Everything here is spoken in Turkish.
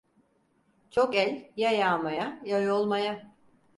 Çok el, ya yağmaya ya yolmaya.